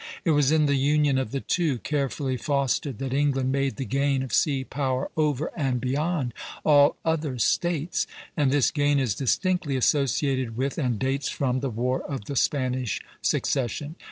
It was in the union of the two, carefully fostered, that England made the gain of sea power over and beyond all other States; and this gain is distinctly associated with and dates from the War of the Spanish Succession.